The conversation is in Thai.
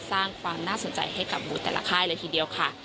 สร้างความน่าสนใจให้กับหมู่แต่ละค่ายเลยทีเดียวค่ะ